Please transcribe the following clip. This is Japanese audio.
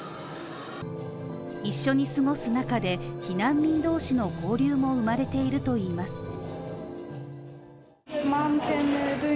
一緒に過ごす中で避難民同士の交流も生まれているといいます。